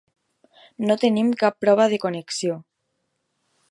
No tenim cap prova de connexió.